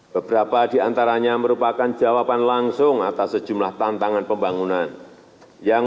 beberapa diantaranya merupakan jawaban langsung atas sejumlah tantangan pembangunan yang